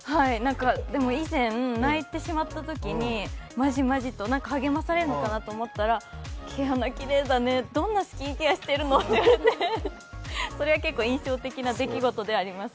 でも以前、泣いてしまったときに、まじまじと、励まされるのかなと思ったら毛穴きれいだね、どんなスキンケアしてるの？って言われてそれは結構、印象的な出来事ではあります。